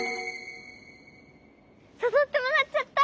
さそってもらっちゃった！